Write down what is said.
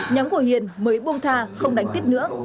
nhóm của hiền mới buông thà không đánh tiếp nữa